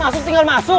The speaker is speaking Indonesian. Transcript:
masuk sih gak masuk